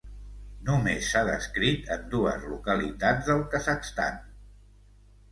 Només s'ha descrit en dues localitats del Kazakhstan.